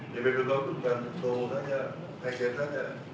dpp bokak itu bukan doang saja aise saja